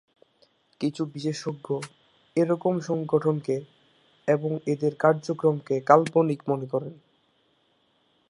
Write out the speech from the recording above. কিছু বিশেষজ্ঞ এরকম সংগঠনকে এবং এদের কার্যক্রমকে কাল্পনিক মনে করেন।